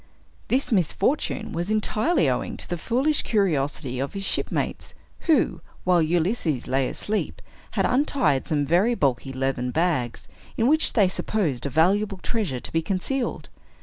This misfortune was entirely owing to the foolish curiosity of his shipmates, who, while Ulysses lay asleep, had untied some very bulky leathern bags, in which they supposed a valuable treasure to be concealed.